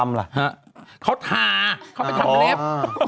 เขาทาเขาไปทำเล็บ